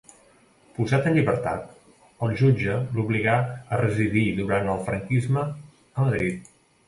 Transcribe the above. Posat en llibertat, el jutge l'obligà a residir durant el franquisme a Madrid.